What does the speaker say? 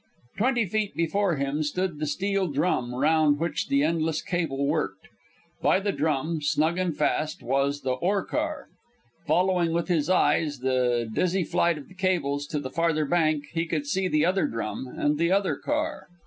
Twenty feet before him stood the steel drum round which the endless cable worked. By the drum, snug and fast, was the ore car. Following with his eyes the dizzy flight of the cables to the farther bank, he could see the other drum and the other car.